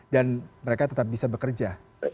dan mereka tetap bisa bekerja